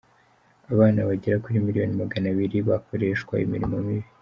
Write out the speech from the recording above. Abana bagera kuri miliyoni maganabiri bakoreshwa imirimo mibi